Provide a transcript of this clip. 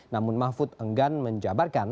namun mahfud enggan menjabarkan